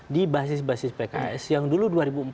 di basis basis pks yang dulu